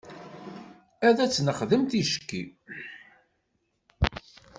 Ad t-nexdem ticki.